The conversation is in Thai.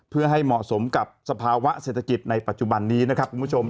เพื่อให้เหมาะสมกับสภาวะเศรษฐกิจในปัจจุบันนี้นะครับคุณผู้ชม